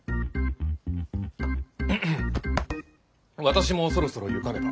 私もそろそろ行かねば。